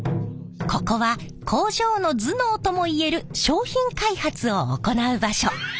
ここは工場の頭脳ともいえる商品開発を行う場所。